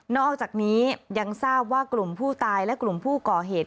อกจากนี้ยังทราบว่ากลุ่มผู้ตายและกลุ่มผู้ก่อเหตุ